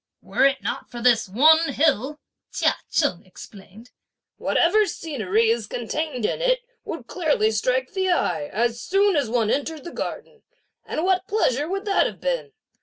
"Were it not for this one hill," Chia Cheng explained, "whatever scenery is contained in it would clearly strike the eye, as soon as one entered into the garden, and what pleasure would that have been?"